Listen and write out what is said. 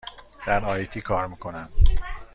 در آی تی کار می کنم.